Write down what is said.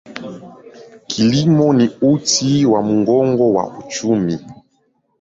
Kilimo ni uti wa mgongo wa uchumi.